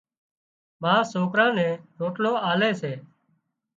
ما سوڪران نين روٽلا آلي سي